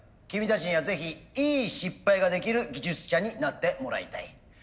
君たちにはぜひいい失敗ができる技術者になってもらいたい。